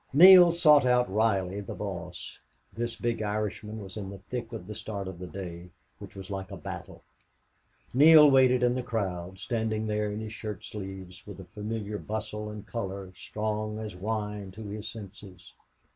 Neale sought out Reilly, the boss. This big Irishman was in the thick of the start of the day which was like a battle. Neale waited in the crowd, standing there in his shirt sleeves, with the familiar bustle and color strong as wine to his senses.